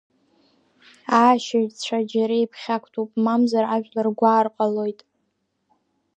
Аашьаҩцәа џьара иԥхьактәуп, мамзар ажәлар гәаар ҟалоит.